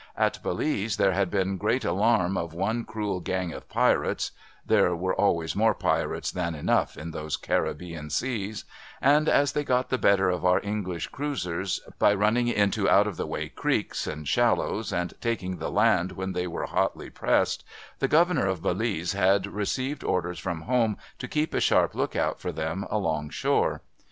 At Belize there had been great alarm of one cruel gang of pirates (there were always more pirates than enough in those Caribbean Seas), and as they got the better of our English cruisers by running into out of the way creeks and shallows, and taking the land when they were hotly pressed, the governor of Belize had received orders from home to keep a sharp look out for them along shore.